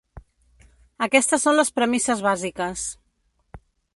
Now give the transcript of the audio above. Aquestes són les premisses bàsiques.